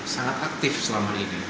sangat aktif selama ini